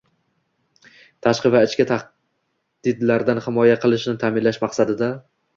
tashqi va ichki tahdidlardan himoya qilishni ta’minlash maqsadida;